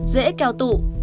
dễ kéo tụ